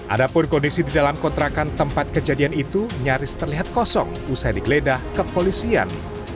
ada pun kondisi di dalam kontrakan tempat kejadian itu nyaris terlihat kosong usai digeledah ke polisian